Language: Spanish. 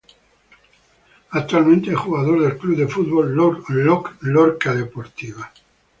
Actualmente es jugador del Club de Fútbol Lorca Deportiva